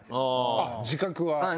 あっ自覚はあり。